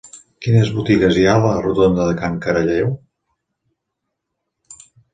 Quines botigues hi ha a la rotonda de Can Caralleu?